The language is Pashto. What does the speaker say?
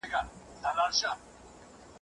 جنایت کوونکی باید د خپل عمل ځواب ورکړي.